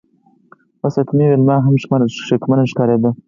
اوس حتی ویلما هم شکمنه ښکاریده